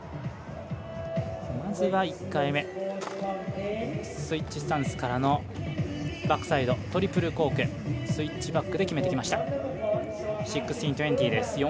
まずは１回目スイッチスタンスからのバックサイドトリプルコークスイッチバックで決めてきました、１６２０です。